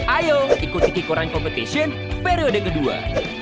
ayo ikuti gekoran competition periode kedua